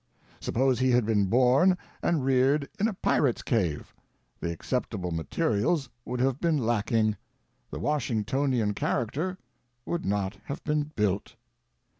Suppose he had been born and reared in a pirate's cave; the acceptable materials would have been lacking, the Washingtonian character would not have been built.